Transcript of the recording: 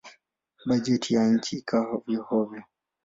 Bajeti ya nchi ikawa hovyo-hovyo.